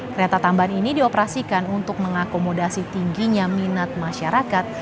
kereta tambahan ini dioperasikan untuk mengakomodasi tingginya minat masyarakat